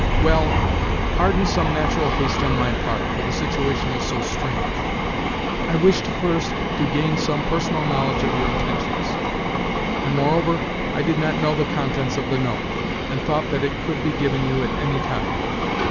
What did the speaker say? "Well, pardon some natural haste on my part, for the situation is so strange. I wished first to gain some personal knowledge of your intentions; and, moreover, I did not know the contents of the note, and thought that it could be given you at any time."